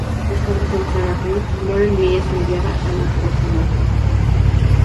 Los padres de Sarah Crewe mueren y ella es enviada a un orfanato.